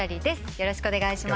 よろしくお願いします。